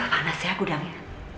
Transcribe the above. panas ya gudangnya